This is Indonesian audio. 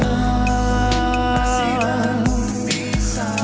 masih belum bisa